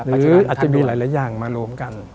หรืออาจจะมีหลายอย่างมารวมกัน